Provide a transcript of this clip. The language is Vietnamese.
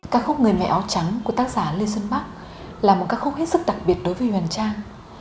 các khúc người mẹ áo trắng của tác giả lê xuân bắc là một ca khúc hết sức đặc biệt đối với huyền trang